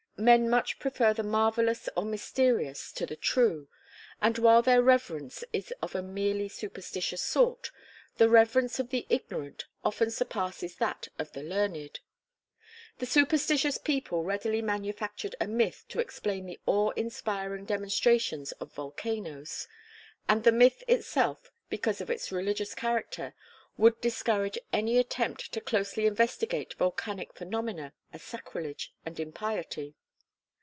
Men much prefer the marvellous or mysterious to the true. And, while their reverence is of a merely superstitious sort, the reverence of the ignorant often surpasses that of the learned. A superstitious people readily manufactured a myth to explain the awe inspiring demonstrations of volcanoes; and the myth itself, because of its religious character, would discourage any attempt to closely investigate volcanic phenomena as sacrilege and impiety.